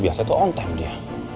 biasa itu on time dia